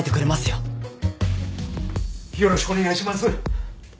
よろしくお願いします。